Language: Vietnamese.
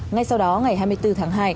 ngay sau đó ngày hai mươi bốn tháng hai